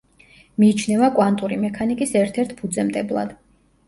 მიიჩნევა კვანტური მექანიკის ერთ-ერთ ფუძემდებლად.